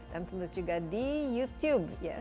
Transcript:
dan tentu juga di youtube